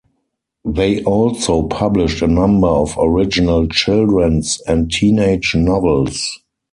They also published a number of original children's and teenage novels.